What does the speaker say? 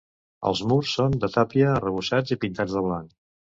Els murs són de tàpia, arrebossats i pintats de blanc.